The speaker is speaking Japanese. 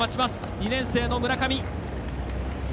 ２年生の村上。